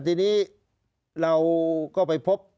ทีนี้เราก็ไปพบ